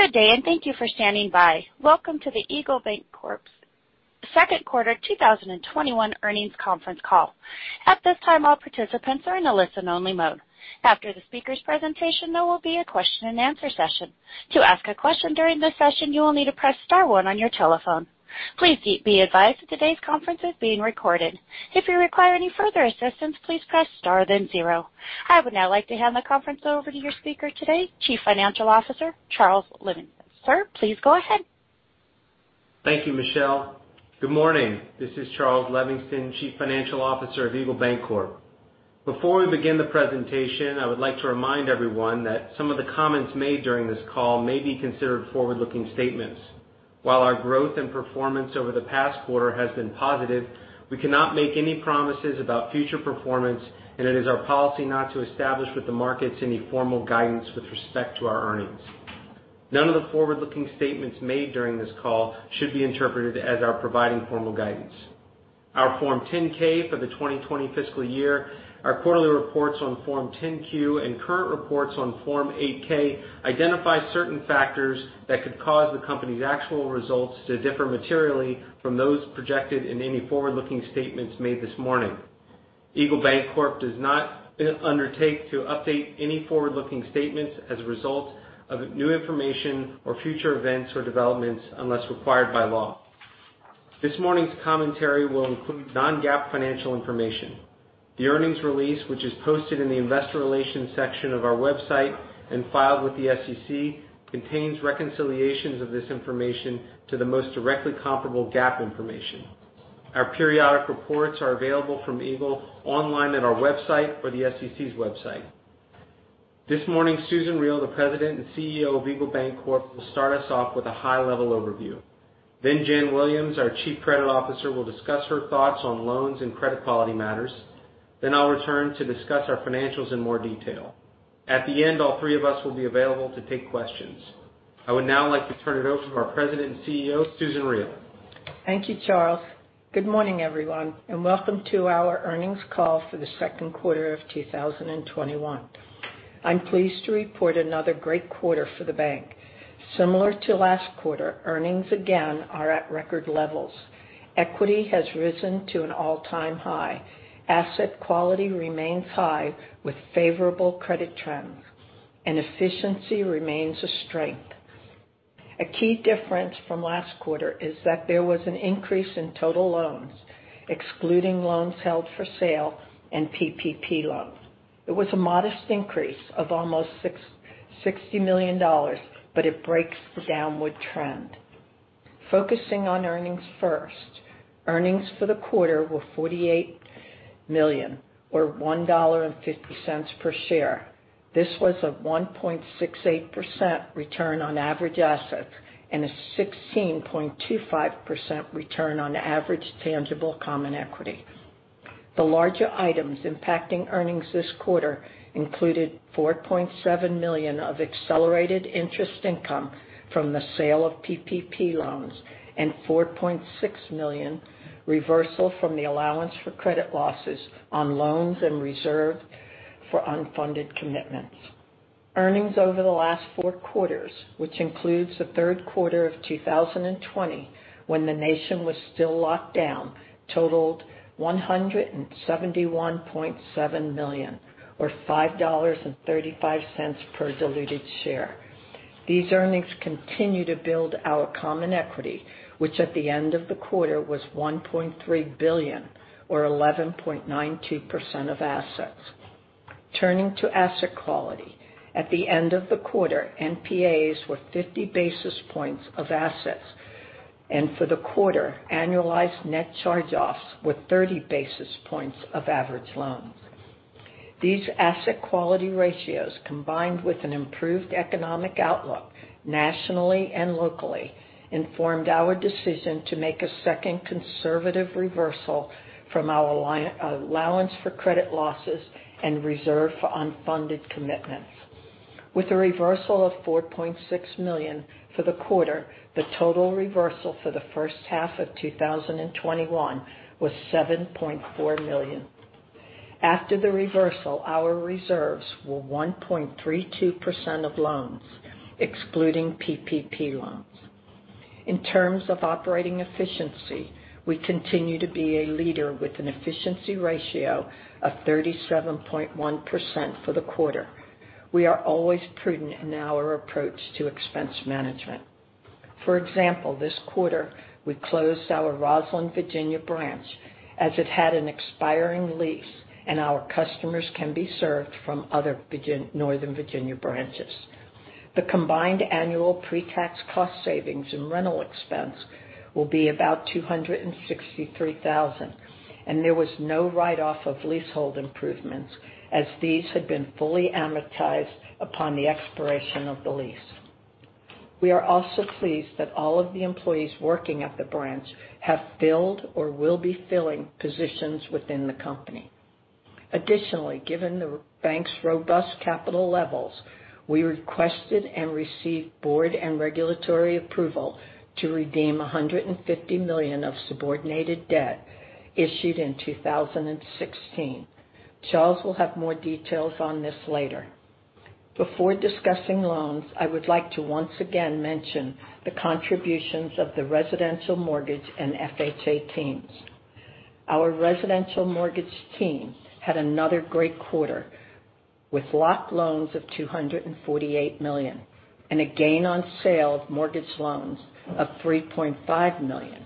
Good day, and thank you for standing by. Welcome to the Eagle Bancorp's second quarter 2021 earnings conference call. At this time, all participants are in a listen-only mode. After the speakers' presentation, there will be a question and answer session. To ask a question during this session, you will need to press star one on your telephone. Please be advised that today's conference is being recorded. If you require any further assistance, please press star then zero. I would now like to hand the conference over to your speaker today, Chief Financial Officer Charles Levingston. Sir, please go ahead. Thank you, Michelle. Good morning. This is Charles Levingston, Chief Financial Officer of Eagle Bancorp. Before we begin the presentation, I would like to remind everyone that some of the comments made during this call may be considered forward-looking statements. While our growth and performance over the past quarter has been positive, we cannot make any promises about future performance, and it is our policy not to establish with the markets any formal guidance with respect to our earnings. None of the forward-looking statements made during this call should be interpreted as our providing formal guidance. Our Form 10-K for the 2020 fiscal year, our quarterly reports on Form 10-Q, and current reports on Form 8-K identify certain factors that could cause the company's actual results to differ materially from those projected in any forward-looking statements made this morning. Eagle Bancorp does not undertake to update any forward-looking statements as a result of new information or future events or developments unless required by law. This morning's commentary will include non-GAAP financial information. The earnings release, which is posted in the investor relations section of our website and filed with the SEC, contains reconciliations of this information to the most directly comparable GAAP information. Our periodic reports are available from Eagle online at our website or the SEC's website. This morning, Susan Riel, the President and Chief Executive Officer of Eagle Bancorp, will start us off with a high-level overview. Jan Williams, our Chief Credit Officer, will discuss her thoughts on loans and credit quality matters. I'll return to discuss our financials in more detail. At the end, all three of us will be available to take questions. I would now like to turn it over to our President and CEO, Susan Riel. Thank you, Charles. Good morning, everyone, and welcome to our earnings call for the 2nd quarter of 2021. I'm pleased to report another great quarter for the bank. Similar to last quarter, earnings again are at record levels. Equity has risen to an all-time high. Asset quality remains high with favorable credit trends, and efficiency remains a strength. A key difference from last quarter is that there was an increase in total loans, excluding loans held for sale and PPP loans. It was a modest increase of almost $60 million, but it breaks the downward trend. Focusing on earnings first, earnings for the quarter were $48 million, or $1.50 per share. This was a 1.68% return on average assets and a 16.25% return on average tangible common equity. The larger items impacting earnings this quarter included $4.7 million of accelerated interest income from the sale of PPP loans and $4.6 million reversal from the allowance for credit losses on loans and reserve for unfunded commitments. Earnings over the last four quarters, which includes the third quarter of 2020, when the nation was still locked down, totaled $171.7 million, or $5.35 per diluted share. These earnings continue to build our common equity, which at the end of the quarter was $1.3 billion or 11.92% of assets. Turning to asset quality, at the end of the quarter, NPAs were 50 basis points of assets, and for the quarter, annualized net charge-offs were 30 basis points of average loans. These asset quality ratios, combined with an improved economic outlook nationally and locally, informed our decision to make a second conservative reversal from our allowance for credit losses and reserve for unfunded commitments. With a reversal of $4.6 million for the quarter, the total reversal for the first half of 2021 was $7.4 million. After the reversal, our reserves were 1.32% of loans, excluding PPP loans. In terms of operating efficiency, we continue to be a leader with an efficiency ratio of 37.1% for the quarter. We are always prudent in our approach to expense management. For example, this quarter we closed our Rosslyn, Virginia branch as it had an expiring lease and our customers can be served from other Northern Virginia branches. The combined annual pre-tax cost savings and rental expense will be about $263,000, and there was no write-off of leasehold improvements as these had been fully amortized upon the expiration of the lease. We are also pleased that all of the employees working at the branch have filled or will be filling positions within the company. Additionally, given the bank's robust capital levels, we requested and received board and regulatory approval to redeem $150 million of subordinated debt issued in 2016. Charles will have more details on this later. Before discussing loans, I would like to once again mention the contributions of the residential mortgage and FHA teams. Our residential mortgage team had another great quarter with locked loans of $248 million and a gain on sale of mortgage loans of $3.5 million.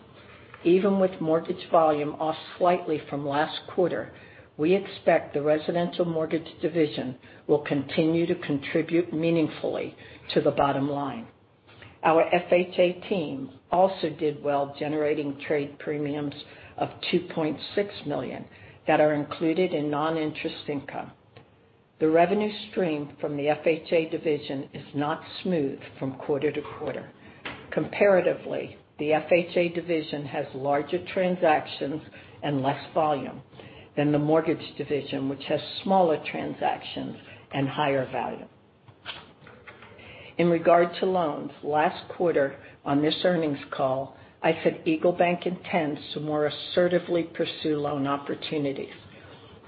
Even with mortgage volume off slightly from last quarter, we expect the residential mortgage division will continue to contribute meaningfully to the bottom line. Our FHA team also did well generating trade premiums of $2.6 million that are included in non-interest income. The revenue stream from the FHA division is not smooth from quarter to quarter. Comparatively, the FHA division has larger transactions and less volume than the mortgage division, which has smaller transactions and higher volume. In regard to loans, last quarter on this earnings call, I said EagleBank intends to more assertively pursue loan opportunities.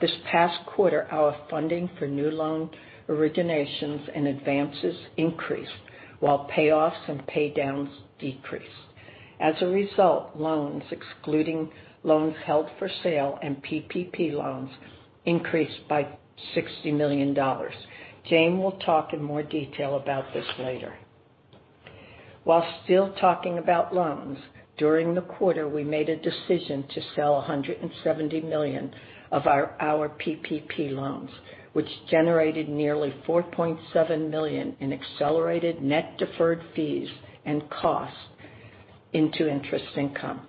This past quarter, our funding for new loan originations and advances increased, while payoffs and paydowns decreased. As a result, loans excluding loans held for sale and PPP loans increased by $60 million. Jan Williams will talk in more detail about this later. While still talking about loans, during the quarter, we made a decision to sell $170 million of our PPP loans, which generated nearly $4.7 million in accelerated net deferred fees and costs into interest income.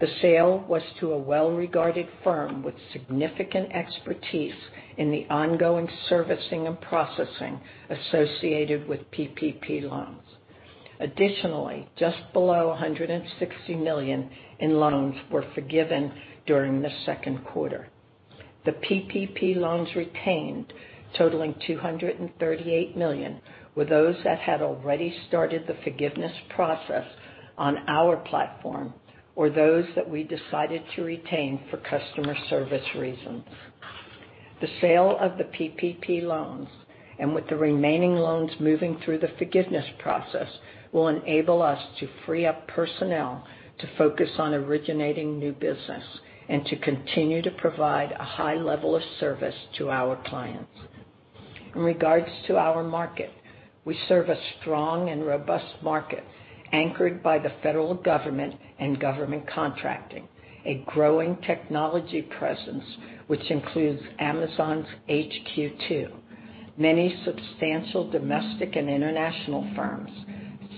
The sale was to a well-regarded firm with significant expertise in the ongoing servicing and processing associated with PPP loans. Additionally, just below $160 million in loans were forgiven during the second quarter. The PPP loans retained totaling $238 million were those that had already started the forgiveness process on our platform, or those that we decided to retain for customer service reasons. The sale of the PPP loans and with the remaining loans moving through the forgiveness process will enable us to free up personnel to focus on originating new business and to continue to provide a high level of service to our clients. In regards to our market, we serve a strong and robust market anchored by the federal government and government contracting, a growing technology presence, which includes Amazon's HQ2, many substantial domestic and international firms,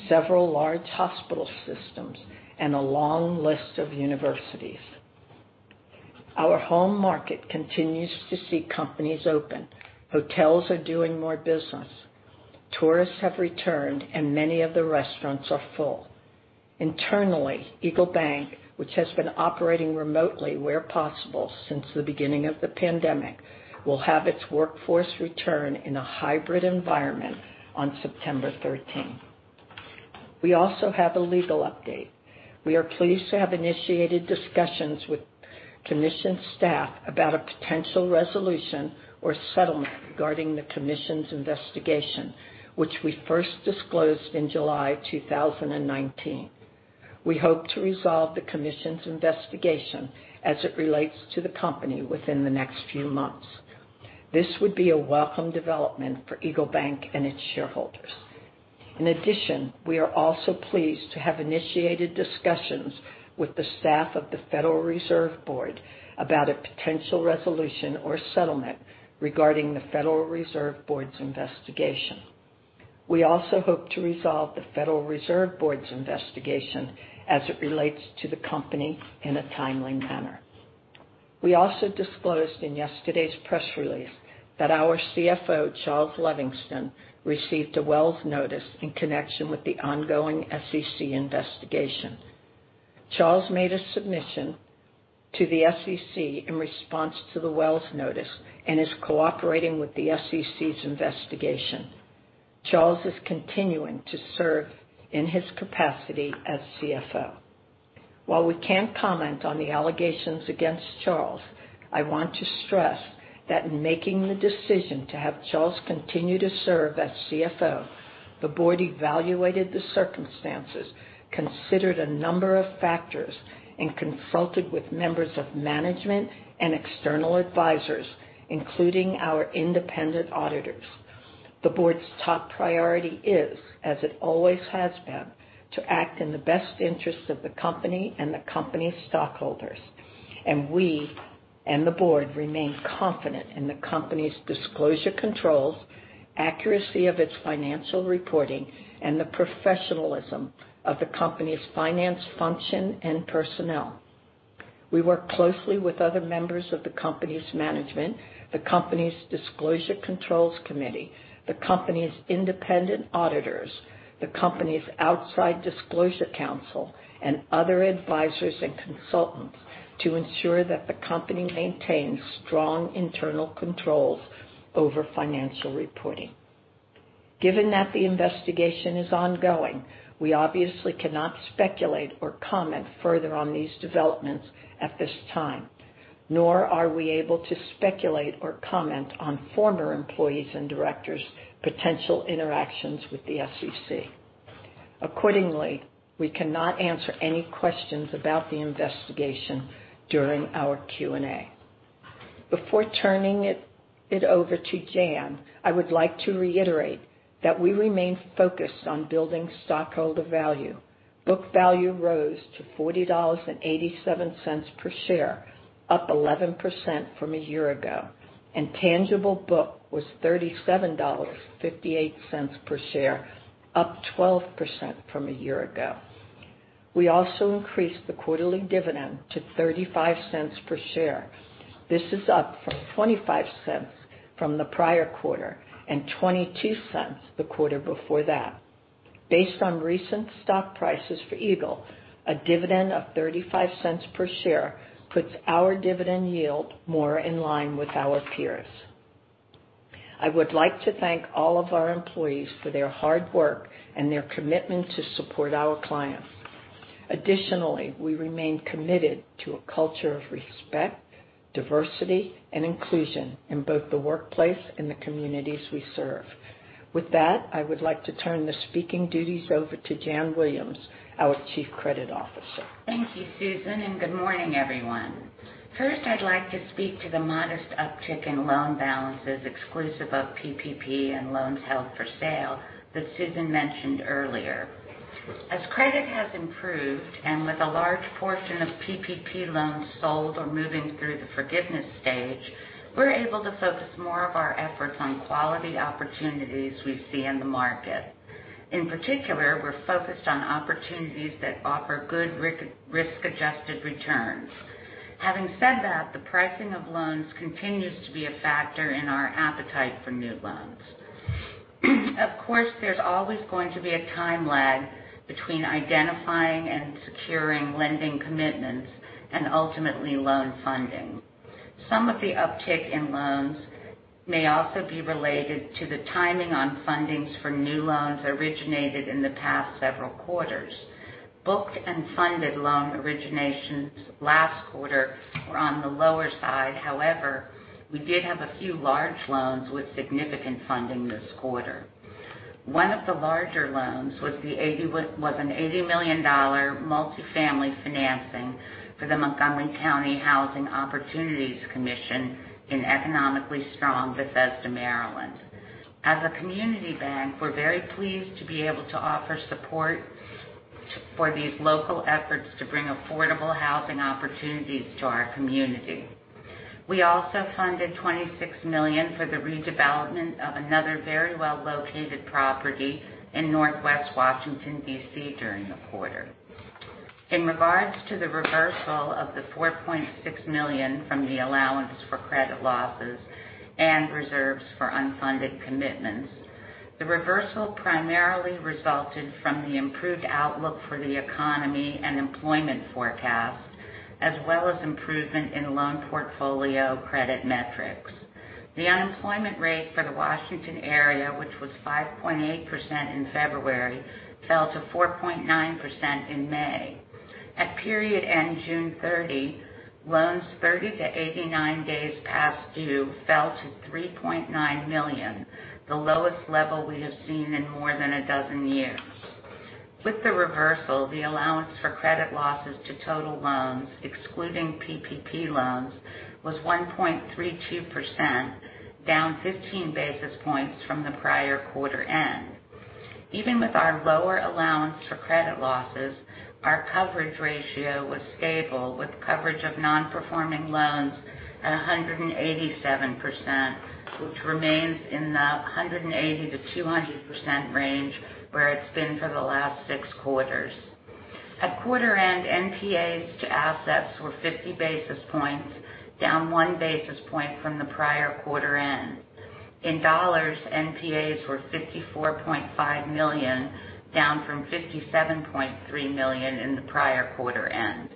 several large hospital systems, and a long list of universities. Our home market continues to see companies open. Hotels are doing more business. Tourists have returned, and many of the restaurants are full. Internally, EagleBank, which has been operating remotely where possible since the beginning of the pandemic, will have its workforce return in a hybrid environment on September 13th. We also have a legal update. We are pleased to have initiated discussions with commission staff about a potential resolution or settlement regarding the commission's investigation, which we first disclosed in July 2019. We hope to resolve the commission's investigation as it relates to the company within the next few months. This would be a welcome development for EagleBank and its shareholders. In addition, we are also pleased to have initiated discussions with the staff of the Federal Reserve Board about a potential resolution or settlement regarding the Federal Reserve Board's investigation. We also hope to resolve the Federal Reserve Board's investigation as it relates to the company in a timely manner. We also disclosed in yesterday's press release that our CFO, Charles Levingston, received a Wells notice in connection with the ongoing SEC investigation. Charles made a submission to the SEC in response to the Wells notice and is cooperating with the SEC's investigation. Charles is continuing to serve in his capacity as CFO. While we can't comment on the allegations against Charles, I want to stress that in making the decision to have Charles continue to serve as CFO, the board evaluated the circumstances, considered a number of factors, and consulted with members of management and external advisors, including our independent auditors. The board's top priority is, as it always has been, to act in the best interest of the company and the company stockholders, and we and the board remain confident in the company's disclosure controls, accuracy of its financial reporting, and the professionalism of the company's finance function and personnel. We work closely with other members of the company's management, the company's disclosure controls committee, the company's independent auditors, the company's outside disclosure counsel, and other advisors and consultants to ensure that the company maintains strong internal controls over financial reporting. Given that the investigation is ongoing, we obviously cannot speculate or comment further on these developments at this time, nor are we able to speculate or comment on former employees' and directors' potential interactions with the SEC. Accordingly, we cannot answer any questions about the investigation during our Q&A. Before turning it over to Jan, I would like to reiterate that we remain focused on building stockholder value. Book value rose to $40.87 per share, up 11% from a year ago, and tangible book was $37.58 per share, up 12% from a year ago. We also increased the quarterly dividend to $0.35 per share. This is up from $0.25 from the prior quarter and $0.22 the quarter before that. Based on recent stock prices for Eagle, a dividend of $0.35 per share puts our dividend yield more in line with our peers. I would like to thank all of our employees for their hard work and their commitment to support our clients. Additionally, we remain committed to a culture of respect, diversity, and inclusion in both the workplace and the communities we serve. With that, I would like to turn the speaking duties over to Jan Williams, our Chief Credit Officer. Thank you, Susan. Good morning, everyone. First, I'd like to speak to the modest uptick in loan balances exclusive of PPP and loans held for sale that Susan mentioned earlier. As credit has improved and with a large portion of PPP loans sold or moving through the forgiveness stage, we're able to focus more of our efforts on quality opportunities we see in the market. In particular, we're focused on opportunities that offer good risk-adjusted returns. Having said that, the pricing of loans continues to be a factor in our appetite for new loans. Of course, there's always going to be a time lag between identifying and securing lending commitments, and ultimately loan funding. Some of the uptick in loans may also be related to the timing on fundings for new loans originated in the past several quarters. Booked and funded loan originations last quarter were on the lower side. However, we did have a few large loans with significant funding this quarter. One of the larger loans was an $80 million multifamily financing for the Housing Opportunities Commission of Montgomery County in economically strong Bethesda, Maryland. As a community bank, we're very pleased to be able to offer support for these local efforts to bring affordable housing opportunities to our community. We also funded $26 million for the redevelopment of another very well-located property in Northwest Washington, D.C. during the quarter. In regards to the reversal of the $4.6 million from the allowance for credit losses and reserves for unfunded commitments, the reversal primarily resulted from the improved outlook for the economy and employment forecast, as well as improvement in loan portfolio credit metrics. The unemployment rate for the Washington area, which was 5.8% in February, fell to 4.9% in May. At period end June 30, loans 30-89 days past due fell to $3.9 million, the lowest level we have seen in more than a dozen years. With the reversal, the allowance for credit losses to total loans, excluding PPP loans, was 1.32%, down 15 basis points from the prior quarter end. Even with our lower allowance for credit losses, our coverage ratio was stable, with coverage of non-performing loans at 187%, which remains in the 180%-200% range where it's been for the last six quarters. At quarter end, NPAs to assets were 50 basis points, down one basis point from the prior quarter end. In dollars, NPAs were $54.5 million, down from $57.3 million in the prior quarter end.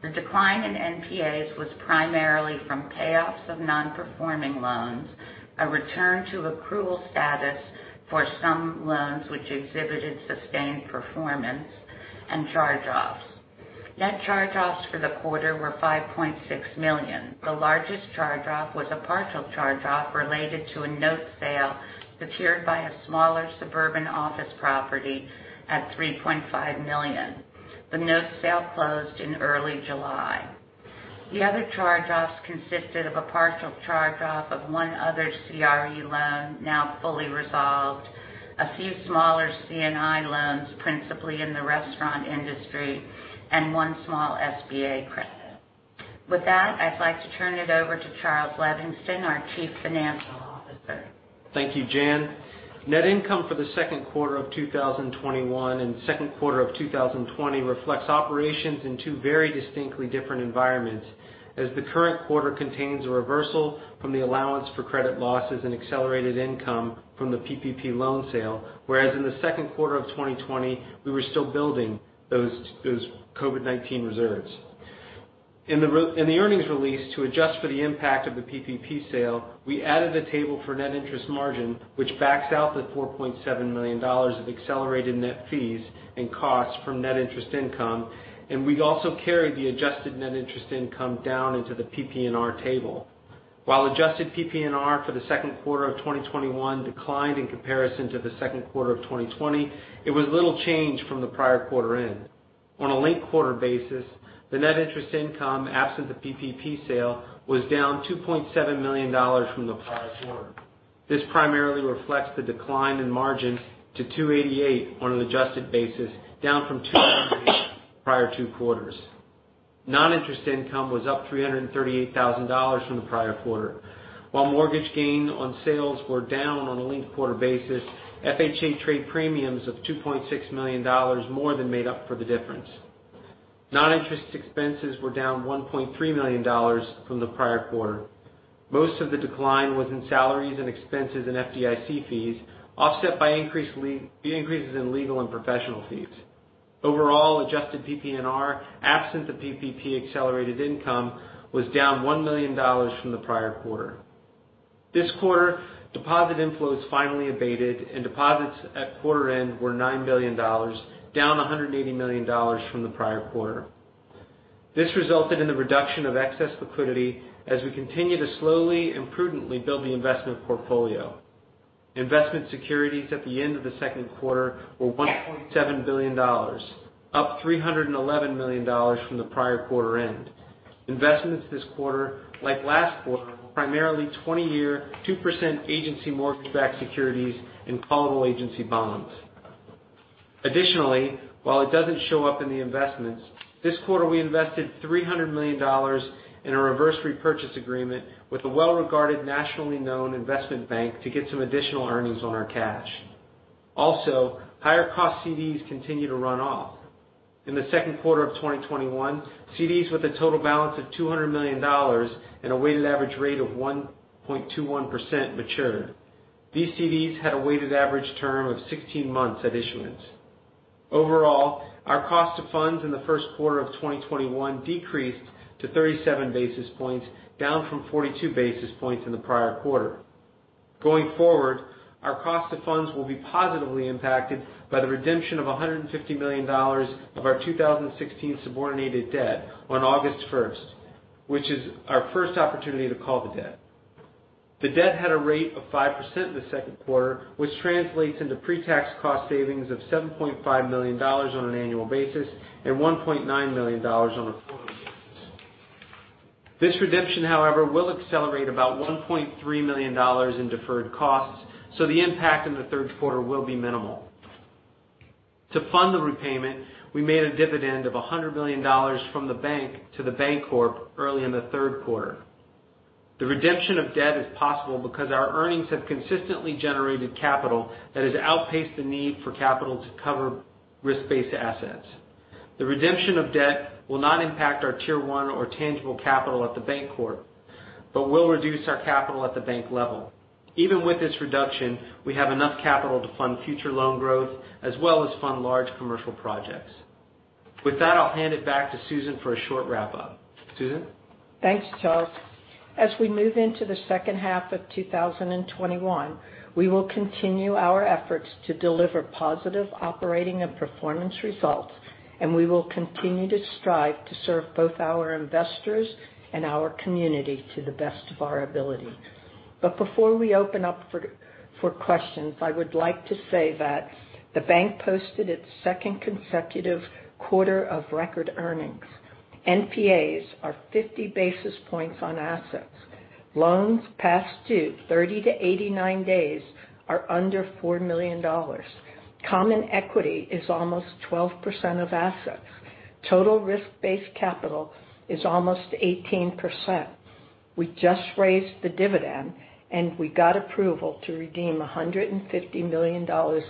The decline in NPAs was primarily from payoffs of non-performing loans, a return to accrual status for some loans which exhibited sustained performance, and charge-offs. Net charge-offs for the quarter were $5.6 million. The largest charge-off was a partial charge-off related to a note sale secured by a smaller suburban office property at $3.5 million. The note sale closed in early July. The other charge-offs consisted of a partial charge-off of one other CRE loan, now fully resolved, a few smaller C&I loans, principally in the restaurant industry, and one small SBA credit. With that, I'd like to turn it over to Charles Levingston, our Chief Financial Officer. Thank you, Jan. Net income for the second quarter of 2021 and second quarter of 2020 reflects operations in two very distinctly different environments, as the current quarter contains a reversal from the allowance for credit losses and accelerated income from the PPP loan sale, whereas in the second quarter of 2020, we were still building those COVID-19 reserves. In the earnings release to adjust for the impact of the PPP sale, we added a table for net interest margin, which backs out the $4.7 million of accelerated net fees and costs from net interest income. We also carried the adjusted net interest income down into the PPNR table. While adjusted PPNR for the second quarter of 2021 declined in comparison to the second quarter of 2020, it was little change from the prior quarter end. On a linked-quarter basis, the net interest income, absent the PPP sale, was down $2.7 million from the prior quarter. This primarily reflects the decline in margins to 288 on an adjusted basis, down from 200 the prior two quarters. Non-interest income was up $338,000 from the prior quarter. While mortgage gain on sales were down on a linked-quarter basis, FHA trade premiums of $2.6 million more than made up for the difference. Non-interest expenses were down $1.3 million from the prior quarter. Most of the decline was in salaries and expenses and FDIC fees, offset by increases in legal and professional fees. Overall, adjusted PPNR, absent the PPP accelerated income, was down $1 million from the prior quarter. This quarter, deposit inflows finally abated and deposits at quarter end were $9 billion, down $180 million from the prior quarter. This resulted in the reduction of excess liquidity as we continue to slowly and prudently build the investment portfolio. Investment securities at the end of the second quarter were $1.7 billion, up $311 million from the prior quarter end. Investments this quarter, like last quarter, were primarily 20-year, 2% agency mortgage-backed securities and callable agency bonds. Additionally, while it doesn't show up in the investments, this quarter we invested $300 million in a reverse repurchase agreement with a well-regarded, nationally-known investment bank to get some additional earnings on our cash. Also, higher-cost CDs continue to run off. In the second quarter of 2021, CDs with a total balance of $200 million and a weighted average rate of 1.21% matured. These CDs had a weighted average term of 16 months at issuance. Overall, our cost of funds in the first quarter of 2021 decreased to 37 basis points, down from 42 basis points in the prior quarter. Going forward, our cost of funds will be positively impacted by the redemption of $150 million of our 2016 subordinated debt on August 1st, which is our first opportunity to call the debt. The debt had a rate of 5% in the second quarter, which translates into pre-tax cost savings of $7.5 million on an annual basis and $1.9 million on a quarterly basis. This redemption, however, will accelerate about $1.3 million in deferred costs, so the impact in the third quarter will be minimal. To fund the repayment, we made a dividend of $100 million from the bank to the Bancorp early in the third quarter. The redemption of debt is possible because our earnings have consistently generated capital that has outpaced the need for capital to cover risk-based assets. The redemption of debt will not impact our Tier one or tangible capital at the Bancorp. Will reduce our capital at the bank level. Even with this reduction, we have enough capital to fund future loan growth as well as fund large commercial projects. With that, I'll hand it back to Susan for a short wrap-up. Susan? Thanks, Charles. As we move into the second half of 2021, we will continue our efforts to deliver positive operating and performance results, and we will continue to strive to serve both our investors and our community to the best of our ability. Before we open up for questions, I would like to say that the bank posted its second consecutive quarter of record earnings. NPAs are 50 basis points on assets. Loans past due 30-89 days are under $4 million. Common equity is almost 12% of assets. Total risk-based capital is almost 18%. We just raised the dividend and we got approval to redeem $150 million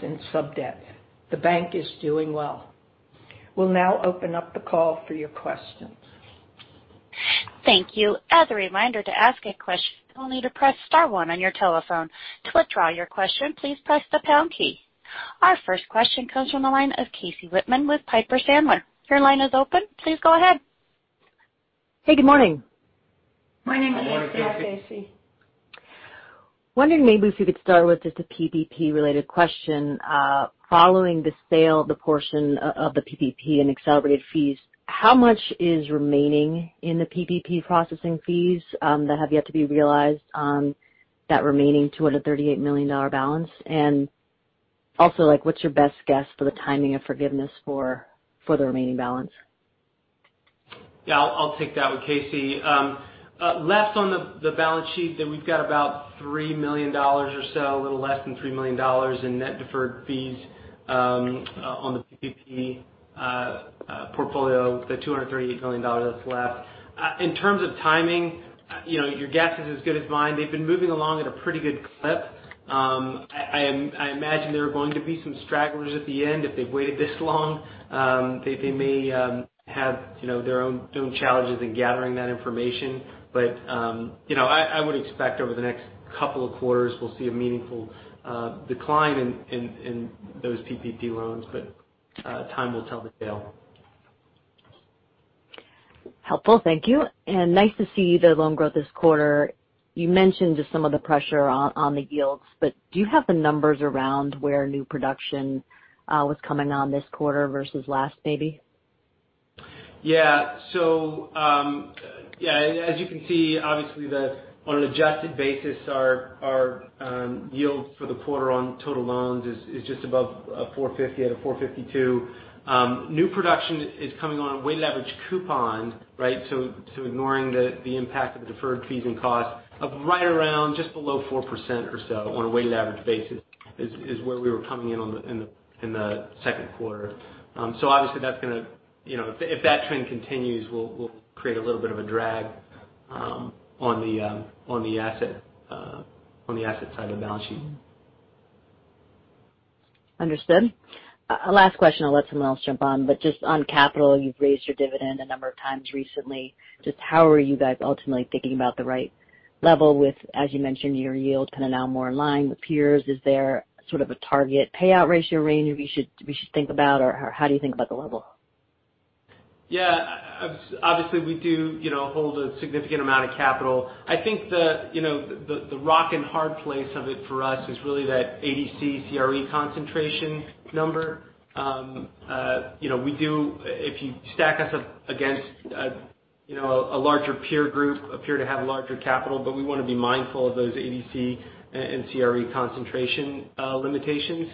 in sub-debt. The bank is doing well. We'll now open up the call for your questions. Thank you. As a reminder, to ask a question, you'll need to press star one on your telephone. To withdraw your question, please press the pound key. Our first question comes from the line of Casey Whitman with Piper Sandler. Your line is open. Please go ahead. Hey, good morning. Morning, Casey. Morning. Hi, Susan. Hi, Casey. Wondering maybe if you could start with just a PPP related question. Following the sale of the portion of the PPP and accelerated fees, how much is remaining in the PPP processing fees that have yet to be realized on that remaining $238 million balance? What's your best guess for the timing of forgiveness for the remaining balance? Yeah, I'll take that one, Casey. Left on the balance sheet, we've got about $3 million or so, a little less than $3 million in net deferred fees on the PPP portfolio, the $238 million that's left. In terms of timing, your guess is as good as mine. They've been moving along at a pretty good clip. I imagine there are going to be some stragglers at the end if they've waited this long. They may have their own challenges in gathering that information. I would expect over the next couple of quarters, we'll see a meaningful decline in those PPP loans, time will tell the tale. Helpful. Thank you. Nice to see the loan growth this quarter. You mentioned just some of the pressure on the yields, but do you have the numbers around where new production was coming on this quarter versus last, maybe? As you can see, obviously on an adjusted basis, our yields for the quarter on total loans is just above 450 at a 452. New production is coming on a weighted average coupon. Ignoring the impact of the deferred fees and costs of right around just below 4% or so on a weighted average basis is where we were coming in in the second quarter. Obviously if that trend continues, we'll create a little bit of a drag on the asset side of the balance sheet. Understood. Last question, I'll let someone else jump on. Just on capital, you've raised your dividend a number of times recently. Just how are you guys ultimately thinking about the right level with, as you mentioned, your yield kind of now more in line with peers? Is there sort of a target payout ratio range we should think about or how do you think about the level? Yeah. Obviously, we do hold a significant amount of capital. I think the rock and hard place of it for us is really that ADC, CRE concentration number. If you stack us up against a larger peer group, appear to have larger capital, but we want to be mindful of those ADC and CRE concentration limitations.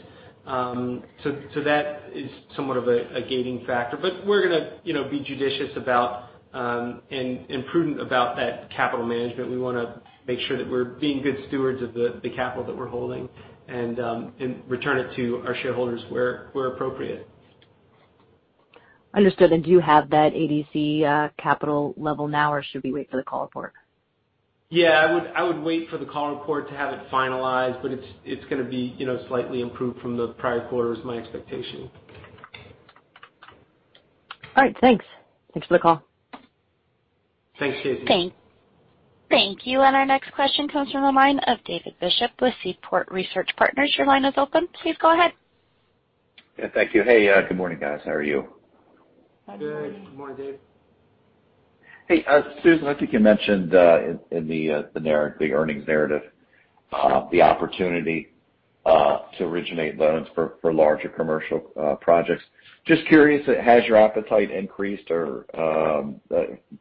That is somewhat of a gating factor, but we're going to be judicious about and prudent about that capital management. We want to make sure that we're being good stewards of the capital that we're holding and return it to our shareholders where appropriate. Understood. Do you have that ADC capital level now or should we wait for the call report? Yeah, I would wait for the call report to have it finalized, but it's going to be slightly improved from the prior quarter is my expectation. All right. Thanks. Thanks for the call. Thanks, Casey. Thank you. Our next question comes from the line of David Bishop with Seaport Research Partners. Your line is open. Please go ahead. Yeah, thank you. Hey, good morning, guys. How are you? Good morning. Good morning, Dave. Hey, Susan, I think you mentioned in the earnings narrative the opportunity to originate loans for larger commercial projects. Just curious, has your appetite increased to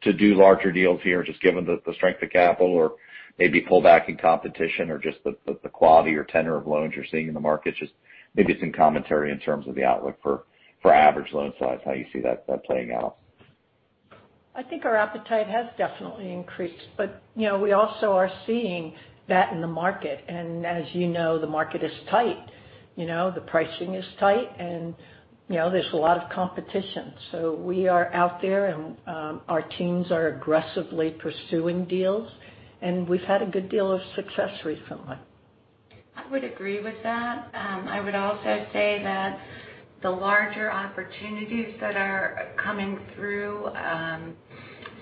do larger deals here, just given the strength of capital or maybe pullback in competition or just the quality or tenor of loans you're seeing in the market? Just maybe some commentary in terms of the outlook for average loan size, how you see that playing out. I think our appetite has definitely increased. We also are seeing that in the market. As you know, the market is tight. The pricing is tight and there's a lot of competition. We are out there and our teams are aggressively pursuing deals, and we've had a good deal of success recently. I would agree with that. I would also say that the larger opportunities that are coming through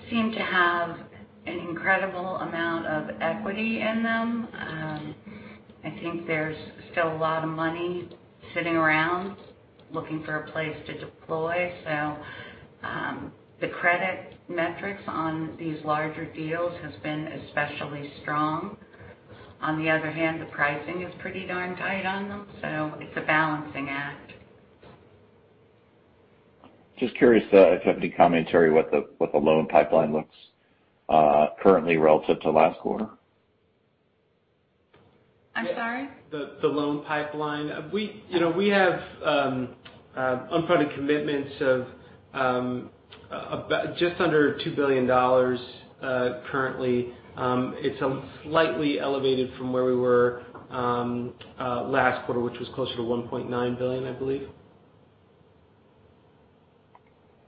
seem to have an incredible amount of equity in them. I think there's still a lot of money sitting around looking for a place to deploy. The credit metrics on these larger deals has been especially strong. On the other hand, the pricing is pretty darn tight on them, so it's a balancing act. Just curious if you have any commentary what the loan pipeline looks currently relative to last quarter? I'm sorry? The loan pipeline. We have unfunded commitments of just under $2 billion currently. It's slightly elevated from where we were last quarter, which was closer to $1.9 billion, I believe.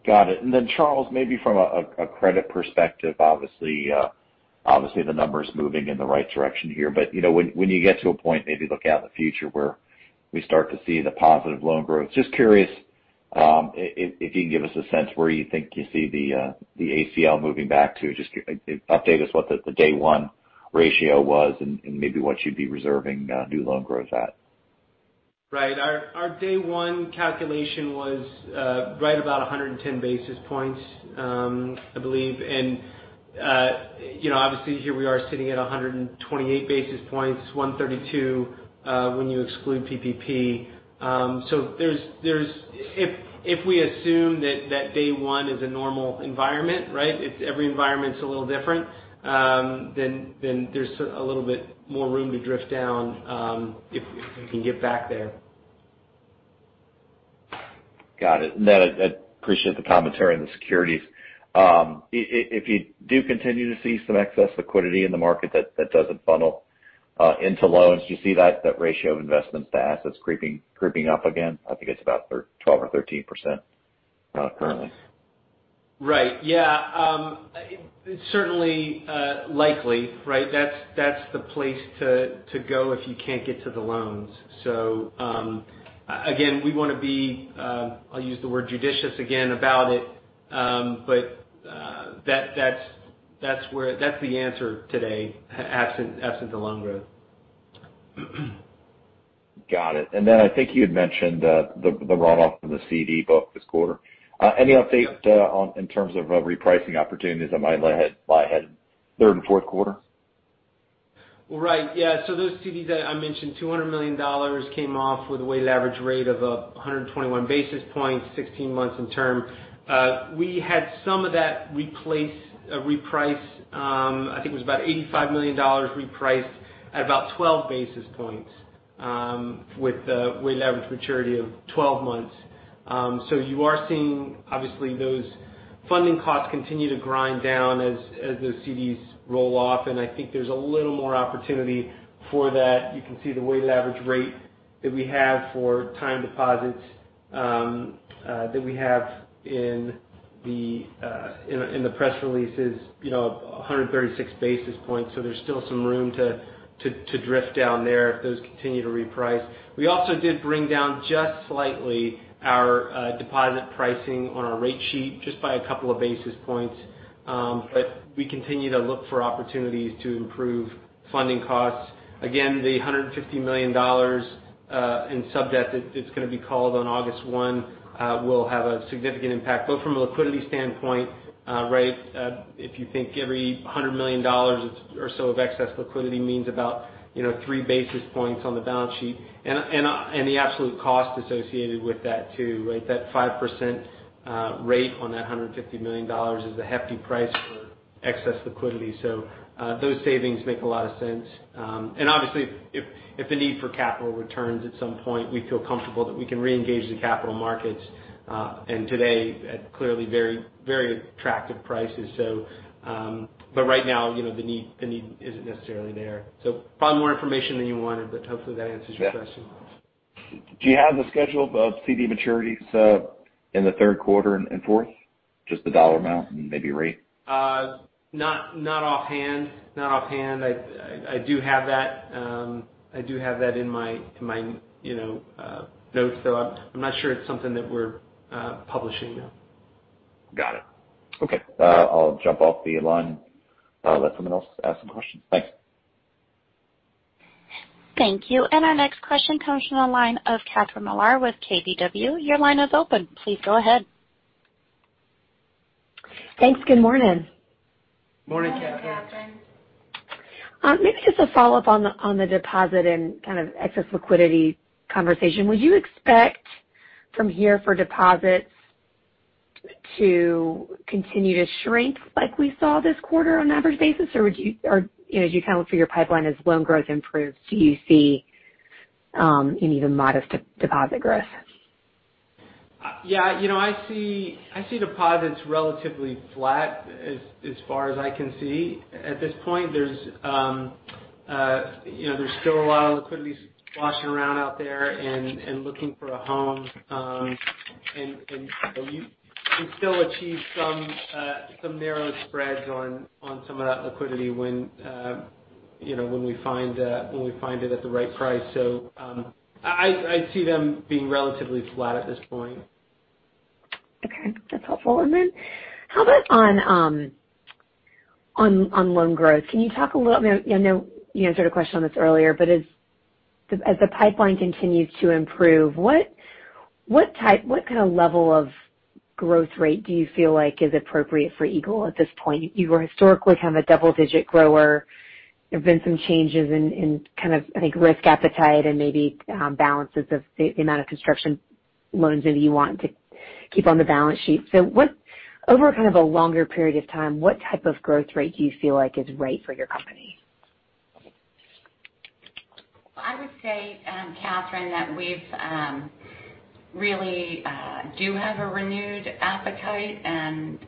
Got it. Charles, maybe from a credit perspective, obviously the numbers moving in the right direction here. When you get to a point, maybe look out in the future where we start to see the positive loan growth, just curious if you can give us a sense where you think you see the ACL moving back to just update us what the day one ratio was and maybe what you'd be reserving new loan growth at? Right. Our day one calculation was right about 110 basis points, I believe. Obviously here we are sitting at 128 basis points, 132 when you exclude PPP. If we assume that day one is a normal environment, every environment's a little different, there's a little bit more room to drift down if we can get back there. Got it. I'd appreciate the commentary on the securities. If you do continue to see some excess liquidity in the market that doesn't funnel into loans, do you see that ratio of investments to assets creeping up again? I think it's about 12 or 13% currently. Right. Yeah. Certainly likely, right? That's the place to go if you can't get to the loans. Again, we want to be, I'll use the word judicious again about it. That's the answer today absent the loan growth. Got it. I think you had mentioned the runoff from the CD book this quarter. Any update in terms of repricing opportunities that might lie ahead third and fourth quarter? Right. Yeah. Those CDs that I mentioned, $200 million came off with a weighted average rate of 121 basis points, 16 months in term. We had some of that reprice, I think it was about $85 million repriced at about 12 basis points with a weighted average maturity of 12 months. You are seeing, obviously, those funding costs continue to grind down as those CDs roll off, and I think there's a little more opportunity for that. You can see the weighted average rate that we have for time deposits that we have in the press releases, 136 basis points. There's still some room to drift down there if those continue to reprice. We also did bring down, just slightly, our deposit pricing on our rate sheet just by a couple of basis points. We continue to look for opportunities to improve funding costs. Again, the $150 million in sub-debt that's going to be called on August 1 will have a significant impact, both from a liquidity standpoint, if you think every $100 million or so of excess liquidity means about three basis points on the balance sheet. The absolute cost associated with that too. That 5% rate on that $150 million is a hefty price for excess liquidity. Those savings make a lot of sense. Obviously if the need for capital returns at some point, we feel comfortable that we can re-engage the capital markets, and today at clearly very attractive prices. Right now, the need isn't necessarily there. Probably more information than you wanted, but hopefully that answers your question. Yeah. Do you have the schedule of CD maturities in the third quarter and fourth? Just the dollar amount and maybe rate. Not offhand. I do have that in my notes, though I'm not sure it's something that we're publishing, though. Got it. Okay. I'll jump off the line and let someone else ask some questions. Thanks. Thank you. Our next question comes from the line of Catherine Mealor with KBW. Your line is open. Please go ahead. Thanks. Good morning. Morning, Catherine. Morning, Catherine. Maybe just a follow-up on the deposit and kind of excess liquidity conversation. Would you expect from here for deposits to continue to shrink like we saw this quarter on an average basis? Or as you kind of look through your pipeline as loan growth improves, do you see an even modest deposit growth? Yeah. I see deposits relatively flat as far as I can see. At this point, there's still a lot of liquidity sloshing around out there and looking for a home. You can still achieve some narrowed spreads on some of that liquidity when we find it at the right price. I see them being relatively flat at this point. Okay. That's helpful. How about on loan growth? Can you talk I know you answered a question on this earlier, but as the pipeline continues to improve, what kind of level of growth rate do you feel like is appropriate for Eagle at this point? You historically have been a double-digit grower. There've been some changes in kind of, I think, risk appetite and maybe balances of the amount of construction loans that you want to keep on the balance sheet. Over kind of a longer period of time, what type of growth rate do you feel like is right for your company? I would say, Catherine, that we've really do have a renewed appetite and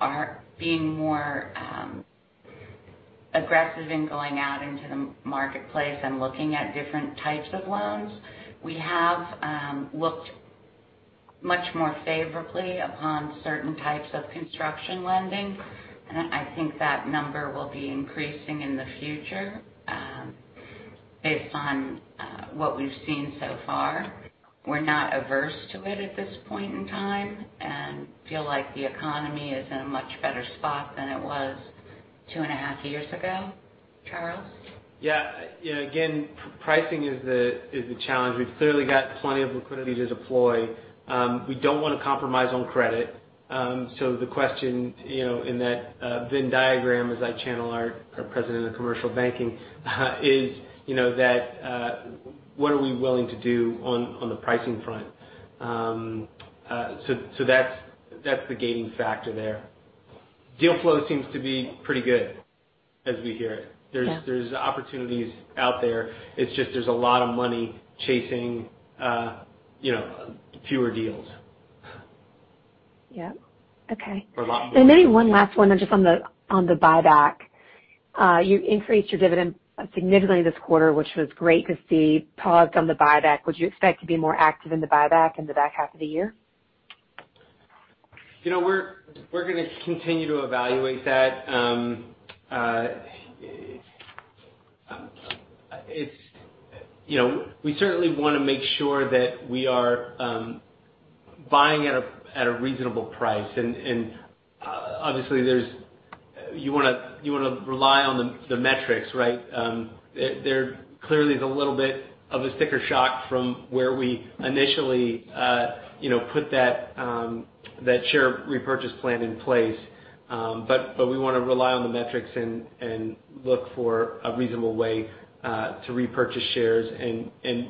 are being more aggressive in going out into the marketplace and looking at different types of loans. We have looked much more favorably upon certain types of construction lending, and I think that number will be increasing in the future based on what we've seen so far. We're not averse to it at this point in time and feel like the economy is in a much better spot than it was two and a half years ago. Charles? Yeah. Again, pricing is the challenge. We've clearly got plenty of liquidity to deploy. We don't want to compromise on credit. The question in that Venn diagram, as I channel our President of Commercial Banking, is that what are we willing to do on the pricing front? That's the gating factor there. Deal flow seems to be pretty good as we hear it. Yeah. There's opportunities out there. It's just there's a lot of money chasing fewer deals. Yeah. Okay. Or a lot more- Maybe one last one just on the buyback. You increased your dividend significantly this quarter, which was great to see. Paused on the buyback. Would you expect to be more active in the buyback in the back half of the year? We're going to continue to evaluate that. We certainly want to make sure that we are buying at a reasonable price. Obviously you want to rely on the metrics, right? There clearly is a little bit of a sticker shock from where we initially put that share repurchase plan in place. We want to rely on the metrics and look for a reasonable way to repurchase shares and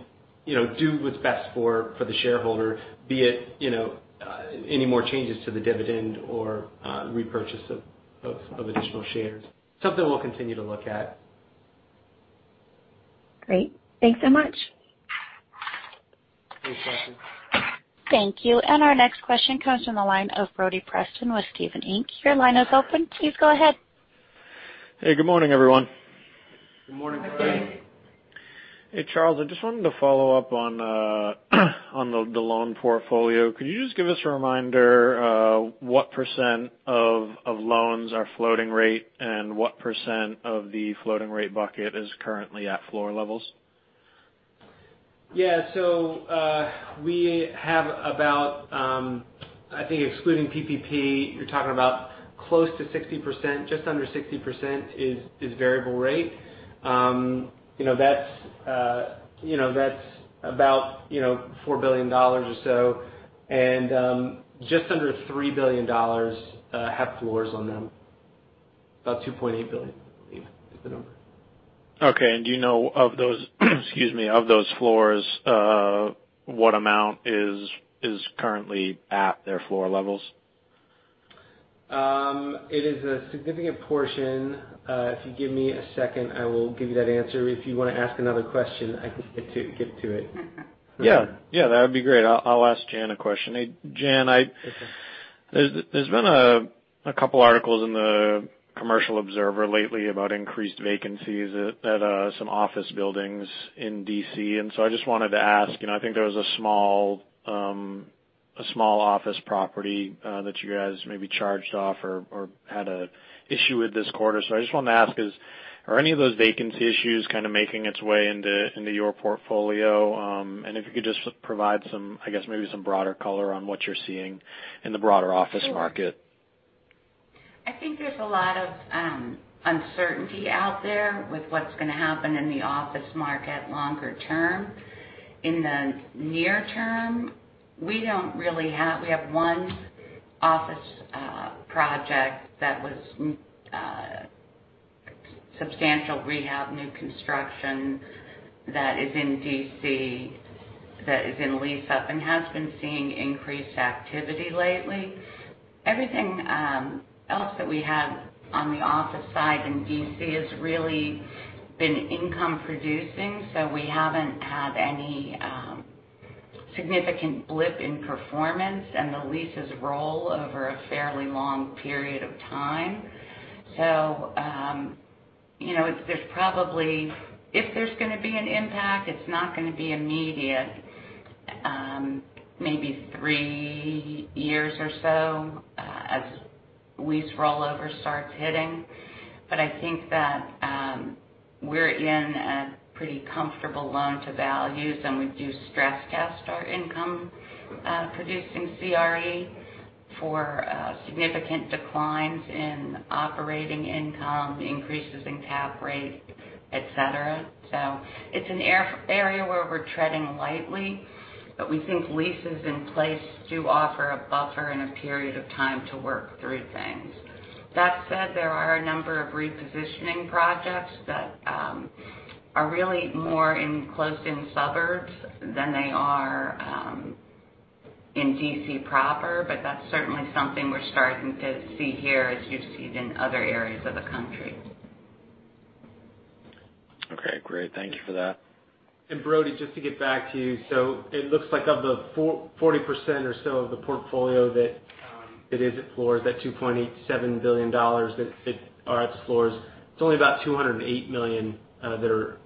do what's best for the shareholder, be it any more changes to the dividend or repurchase of additional shares. Something we'll continue to look at. Great. Thanks so much. Thanks, Catherine. Thank you. Our next question comes from the line of Brody Preston with Stephens Inc.. Your line is open. Please go ahead. Hey, good morning, everyone. Good morning, Brody. Hey, Charles, I just wanted to follow up on the loan portfolio. Could you just give us a reminder what % of loans are floating rate and what % of the floating rate bucket is currently at floor levels? We have about, I think excluding PPP, you're talking about close to 60%, just under 60% is variable rate. That's about $4 billion or so, and just under $3 billion have floors on them. About $2.8 billion, I believe, is the number. Okay. Do you know of those excuse me, of those floors, what amount is currently at their floor levels? It is a significant portion. If you give me a second, I will give you that answer. If you want to ask another question, I can get to it. That'd be great. I'll ask Jan a question. Hey, Jan, there's been a couple articles in the Commercial Observer lately about increased vacancies at some office buildings in D.C., and so I just wanted to ask, I think there was a small office property that you guys maybe charged off or had a issue with this quarter. I just wanted to ask, are any of those vacancy issues kind of making its way into your portfolio? If you could just provide I guess maybe some broader color on what you're seeing in the broader office market. I think there's a lot of uncertainty out there with what's going to happen in the office market longer term. In the near term, we have one office project that was substantial rehab, new construction that is in D.C. that is in lease-up and has been seeing increased activity lately. Everything else that we have on the office side in D.C. has really been income producing, so we haven't had any significant blip in performance and the leases roll over a fairly long period of time. So, if there's going to be an impact, it's not going to be immediate. Maybe three years or so as lease rollover starts hitting. But I think that we're in a pretty comfortable loan to values, and we do stress test our income producing CRE for significant declines in operating income, increases in cap rate, et cetera. It's an area where we're treading lightly, but we think leases in place do offer a buffer and a period of time to work through things. That said, there are a number of repositioning projects that are really more enclosed in suburbs than they are in D.C. proper, but that's certainly something we're starting to see here as you've seen in other areas of the country. Okay, great. Thank you for that. Brody, just to get back to you. It looks like of the 40% or so of the portfolio that it is at floors, that $2.87 billion that are at the floors, it's only about $208 million that are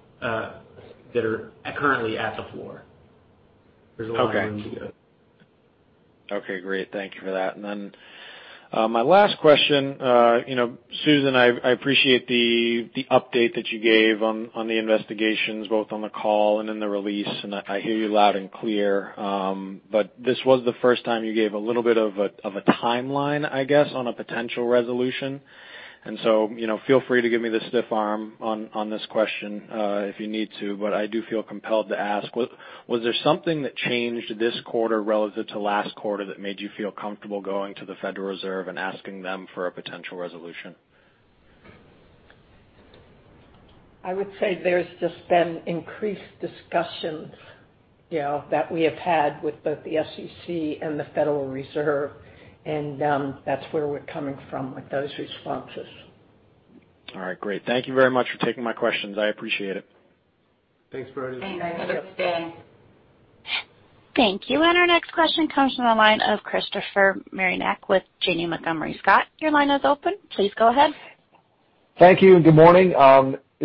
currently at the floor. There's a lot of room to go. Okay. Great. Thank you for that. My last question. Susan, I appreciate the update that you gave on the investigations, both on the call and in the release, and I hear you loud and clear. This was the first time you gave a little bit of a timeline, I guess, on a potential resolution. Feel free to give me the stiff arm on this question if you need to, but I do feel compelled to ask. Was there something that changed this quarter relative to last quarter that made you feel comfortable going to the Federal Reserve and asking them for a potential resolution? I would say there's just been increased discussions that we have had with both the SEC and the Federal Reserve, and that's where we're coming from with those responses. All right, great. Thank you very much for taking my questions. I appreciate it. Thanks, Brody. Have a nice day. Thank you. Our next question comes from the line of Christopher Marinac with Janney Montgomery Scott. Your line is open. Please go ahead. Thank you, and good morning.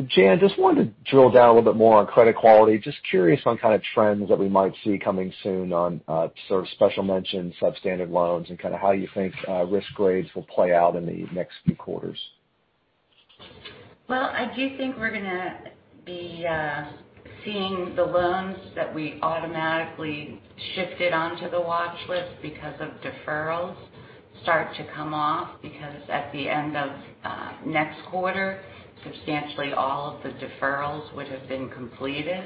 Jan, just wanted to drill down a little bit more on credit quality. Just curious on kind of trends that we might see coming soon on sort of special mention, substandard loans, and kind of how you think risk grades will play out in the next few quarters. Well, I do think we're going to be seeing the loans that we automatically shifted onto the watch list because of deferrals start to come off because at the end of next quarter, substantially all of the deferrals would have been completed.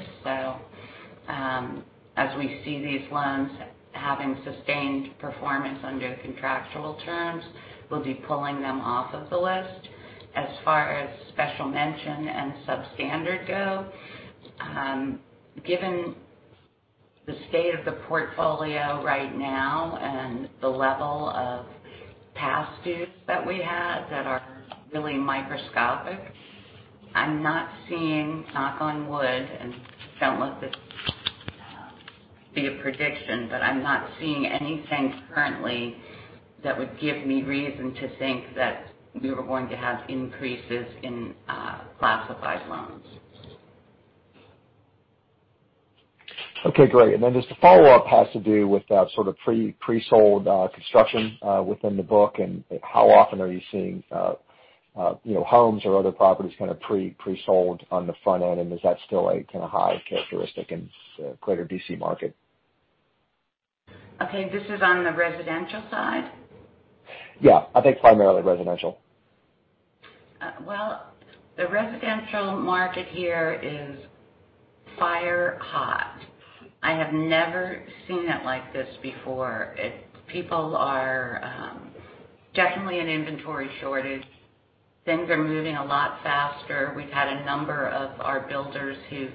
As we see these loans having sustained performance under contractual terms, we'll be pulling them off of the list. As far as special mention and substandard go, given the state of the portfolio right now and the level of past dues that we have that are really microscopic, I'm not seeing, knocking on wood, and don't let this be a prediction, but I'm not seeing anything currently that would give me reason to think that we were going to have increases in classified loans. Okay, great. Just a follow-up has to do with that sort of pre-sold construction within the book and how often are you seeing homes or other properties kind of pre-sold on the front end, and is that still a kind of high characteristic in the greater D.C. market? Okay, this is on the residential side? Yeah, I think primarily residential. Well, the residential market here is fire hot. I have never seen it like this before. People are definitely in inventory shortage. Things are moving a lot faster. We've had a number of our builders who've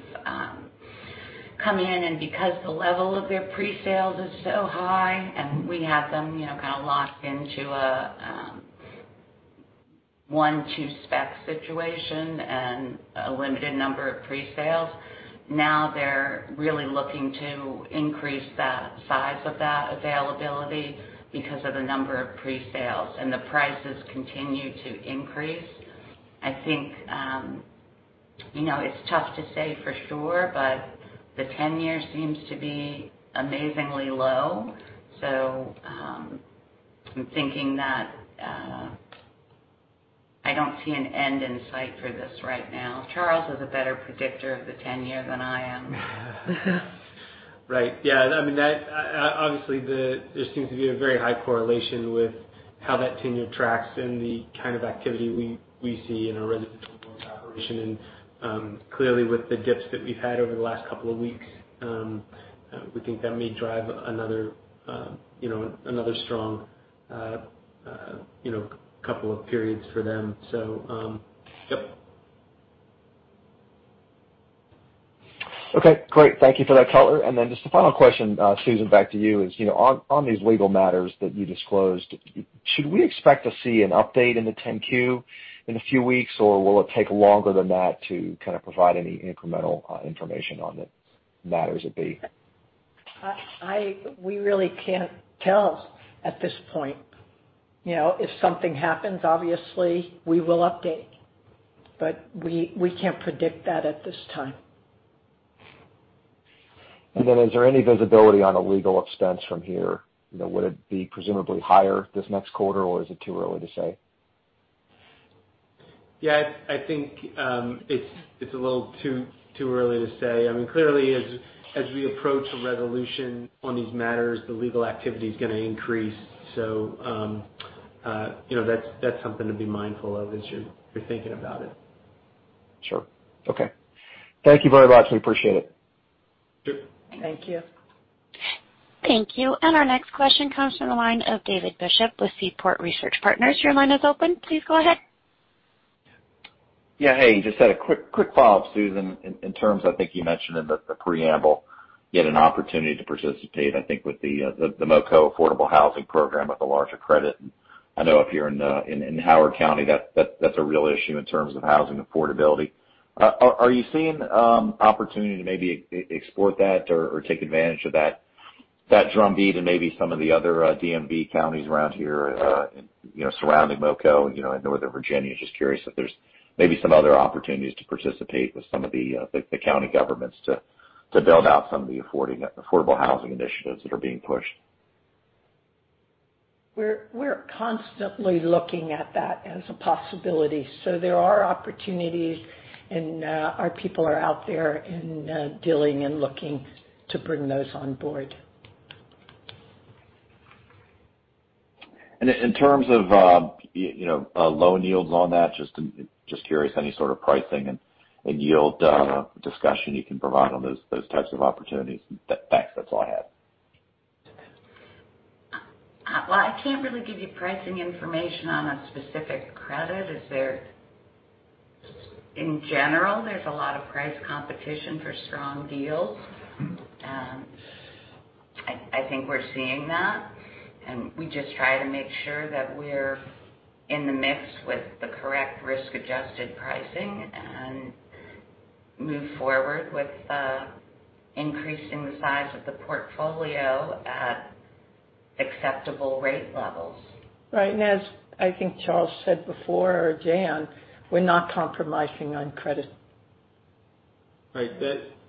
come in and because the level of their pre-sales is so high, and we have them kind of locked into a one-two spec situation and a limited number of pre-sales. Now they're really looking to increase the size of that availability because of the number of pre-sales. The prices continue to increase. I think, it's tough to say for sure. The tenure seems to be amazingly low. I'm thinking that I don't see an end in sight for this right now. Charles is a better predictor of the tenure than I am. Right. Yeah. Obviously, there seems to be a very high correlation with how that 10-year tracks and the kind of activity we see in our residential loans operation. Clearly with the dips that we've had over the last couple of weeks, we think that may drive another strong couple of periods for them. Yep. Okay, great. Thank you for that color. Just a final question, Susan, back to you is, on these legal matters that you disclosed, should we expect to see an update in the 10-Q in a few weeks, or will it take longer than that to kind of provide any incremental information on the matters at hand? We really can't tell at this point. If something happens, obviously we will update, but we can't predict that at this time. Is there any visibility on a legal expense from here? Would it be presumably higher this next quarter, or is it too early to say? Yeah, I think it's a little too early to say. Clearly, as we approach a resolution on these matters, the legal activity's going to increase. That's something to be mindful of as you're thinking about it. Sure. Okay. Thank you very much. We appreciate it. Sure. Thank you. Thank you. Our next question comes from the line of David Bishop with Seaport Research Partners. Your line is open. Please go ahead. Hey, just had a quick follow-up, Susan, in terms, I think you mentioned in the preamble, you had an opportunity to participate, I think, with the MoCo Affordable Housing program with a larger credit. I know up here in Howard County that's a real issue in terms of housing affordability. Are you seeing opportunity to maybe explore that or take advantage of that drumbeat and maybe some of the other DMV counties around here surrounding MoCo in Northern Virginia? Just curious if there's maybe some other opportunities to participate with some of the county governments to build out some of the affordable housing initiatives that are being pushed. We're constantly looking at that as a possibility. There are opportunities, and our people are out there and dealing and looking to bring those on board. In terms of loan yields on that, just curious, any sort of pricing and yield discussion you can provide on those types of opportunities? Thanks. That's all I had. Well, I can't really give you pricing information on a specific credit. In general, there's a lot of price competition for strong deals. I think we're seeing that, and we just try to make sure that we're in the mix with the correct risk-adjusted pricing and move forward with increasing the size of the portfolio at acceptable rate levels. Right. As I think Charles said before, or Jan, we're not compromising on credit. Right.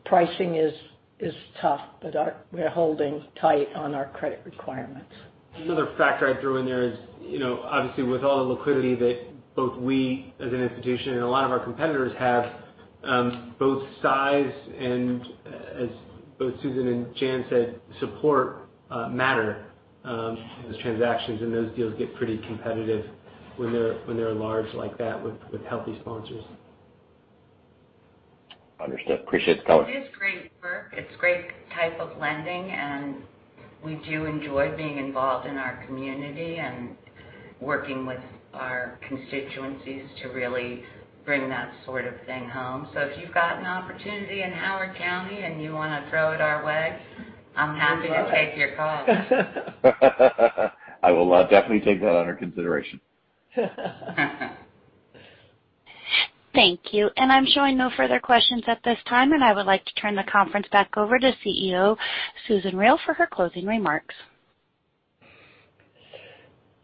Pricing is tough, but we're holding tight on our credit requirements. Another factor I'd throw in there is, obviously with all the liquidity that both we as an institution and a lot of our competitors have, both size and as both Susan and Jan said, support matter in those transactions, and those deals get pretty competitive when they're large like that with healthy sponsors. Understood. Appreciate the color. It is great work. It's great type of lending, and we do enjoy being involved in our community and working with our constituencies to really bring that sort of thing home. If you've got an opportunity in Howard County and you want to throw it our way, I'm happy to take your call. I will definitely take that under consideration. Thank you. I'm showing no further questions at this time. I would like to turn the conference back over to CEO Susan Riel for her closing remarks.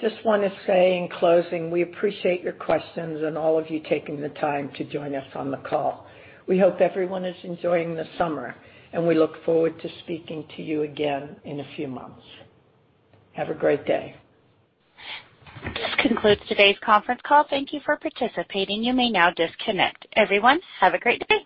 Just want to say in closing, we appreciate your questions and all of you taking the time to join us on the call. We hope everyone is enjoying the summer, and we look forward to speaking to you again in a few months. Have a great day. This concludes today's conference call. Thank you for participating. You may now disconnect. Everyone, have a great day.